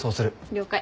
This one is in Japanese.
了解。